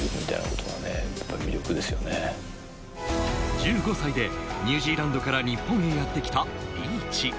１５歳でニュージーランドから日本へやってきたリーチ。